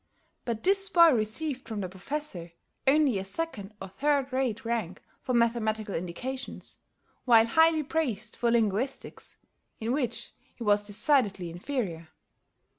But this boy received from the Professor only a second or third rate rank for mathematical indications, while highly praised for linguistics, in which he was decidedly inferior.